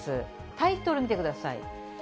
タイトル見てください。